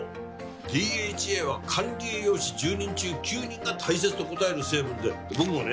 ＤＨＡは管理栄養士１０人中９人が大切と答える成分で僕もね